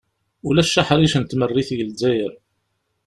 Ulac aḥric n tmerrit deg Lezzayer.